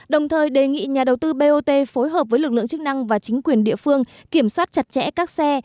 đồng thời đề nghị nhà đầu tư bot phối hợp với lực lượng chức năng và chính quyền địa phương kiểm soát chặt chẽ các xe